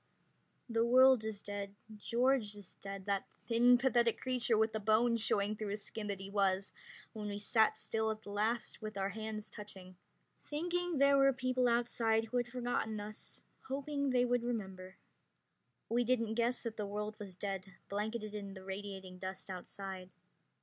The world is dead.... George is dead, that thin, pathetic creature with the bones showing through his skin that he was when we sat still at the last with our hands touching, thinking there were people outside who had forgotten us, hoping they would remember. We didn't guess that the world was dead, blanketed in radiating dust outside.